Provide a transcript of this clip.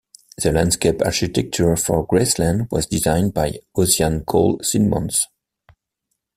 The landscape architecture for Graceland was designed by Ossian Cole Simonds.